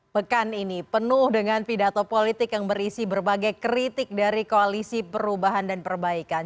pekan ini penuh dengan pidato politik yang berisi berbagai kritik dari koalisi perubahan dan perbaikan